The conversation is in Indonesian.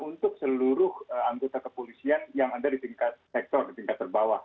untuk seluruh anggota kepolisian yang ada di tingkat sektor di tingkat terbawah